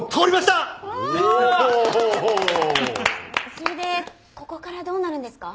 それでここからどうなるんですか？